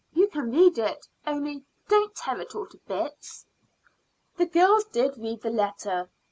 You can read it, only don't tear it all to bits." The girls did read the letter.